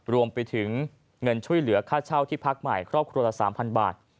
รวมไปถึงเงินช่วยเหลือค่าเช่าที่พักใหม่ครอบครัวละ๓๐๐บาท